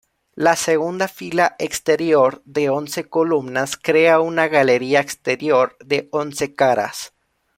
La segunda fila exterior, de once columnas crea una galería exterior de once caras.